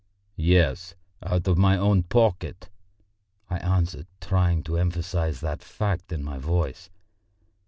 "Yes, out of my own pocket," I answered, trying to emphasise that fact in my voice.